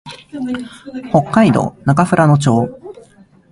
北海道中富良野町